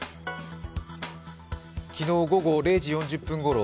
昨日午後０時４０分ごろ